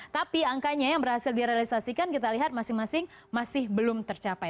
tapi angkanya yang berhasil direalisasikan kita lihat masing masing masih belum tercapai